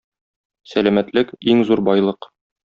Сәламәтлек - иң зур байлык.